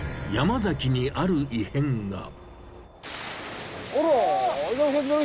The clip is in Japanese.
山崎にある異変が。